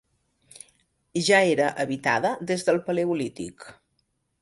Ja era habitada des del paleolític.